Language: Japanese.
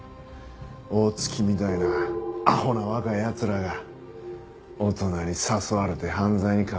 大月みたいなアホな若い奴らが大人に誘われて犯罪に関わって。